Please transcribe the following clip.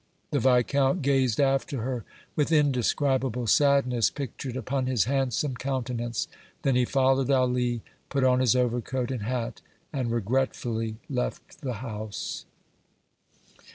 The Viscount gazed after her with indescribable sadness pictured upon his handsome countenance. Then he followed Ali, put on his overcoat and hat and regretfully left the house.